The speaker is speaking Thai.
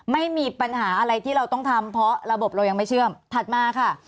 ไม่มีปัญหาอะไรที่เราต้องทำเพราะระบบเรายังไม่เชื่อมถัดมาค่ะ